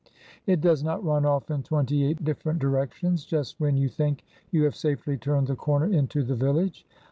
It does not run off in twenty eight different directions, just when you think you have safely turned the corner into the village.